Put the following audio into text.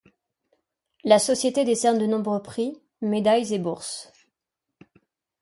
La Société décerne de nombreux prix, médailles et bourses.